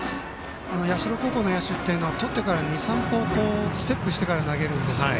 社高校の野手はとってから２３歩ステップしてから投げるんですね。